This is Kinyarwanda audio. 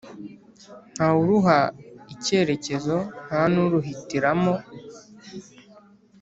ntawuruha icyerekezo ntanuruhitaramo